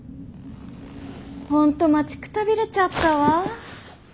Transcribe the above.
ホント待ちくたびれちゃったわ。